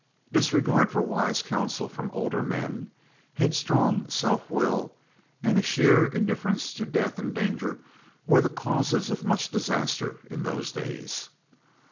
Disregard for wise counsel from older men, head strong self will, and a sheer indifference to death and danger were the causes of much disaster in those days.